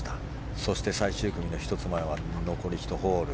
そして、最終組の１つ前は残り１ホール。